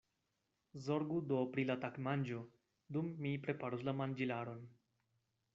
Zorgu do pri la tagmanĝo, dum mi preparos la manĝilaron.